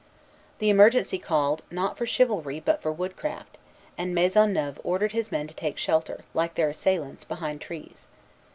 The emergency called, not for chivalry, but for woodcraft; and Maisonneuve ordered his men to take shelter, like their assailants, behind trees.